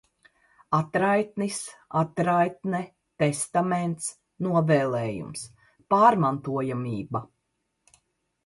Atraitnis, atraitne, testaments, novēlējums. Pārmantojamība.